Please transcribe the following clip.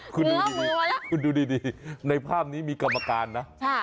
คุณดูดีในภาพนี้มีกรรมการนะ